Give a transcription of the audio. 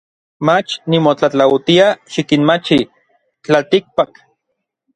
Mach nimotlatlautia xikinmachij n tlaltikpak.